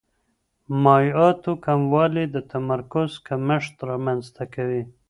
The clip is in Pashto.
مایعاتو کموالی د تمرکز کمښت رامنځته کوي.